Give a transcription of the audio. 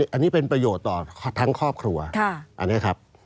อันนี้เป็นประโยชน์ต่อทั้งครอบครัวอันนี้ครับ